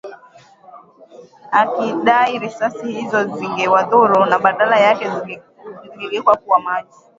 akidai risasi hizo zisingewadhuru na badala yake zingegeuka kuwa maji